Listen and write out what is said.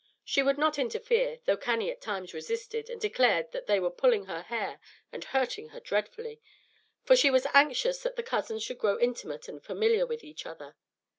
She would not interfere, though Cannie at times resisted, and declared that they were pulling her hair and hurting her dreadfully, for she was anxious that the cousins should grow intimate and familiar with each other.